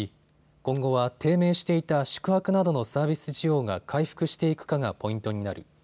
今後は低迷していた宿泊などのサービス需要が回復していくかがポイントになる。